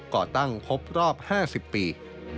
ก่อตั้งครบรอบ๕๐ปี